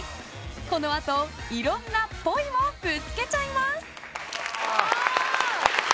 このあと、いろんな、っぽいをぶつけちゃいます。